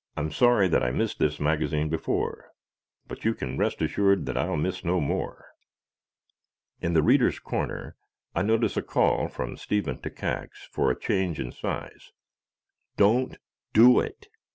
I'm sorry that I missed this magazine before, but you can rest assured that I'll miss no more. In the "Readers' Corner" I notice a call from Stephen Takacs for a change in size. DON'T DO IT!